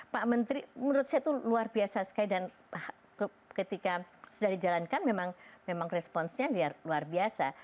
pak menteri menurut saya itu luar biasa sekali dan ketika sudah dijalankan memang responsnya luar biasa